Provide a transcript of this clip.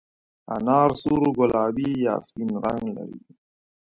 انار سور، ګلابي یا سپین رنګ لري.